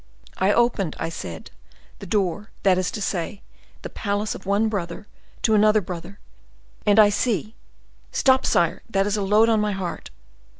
I open, I said, the door, that is to say, the palace of one brother to another brother, and I see—stop, sire, that is a load on my heart!